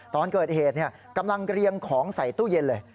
ตอนเกิดเหตุกำลังเรียงของใส่ตู้เย็นเลย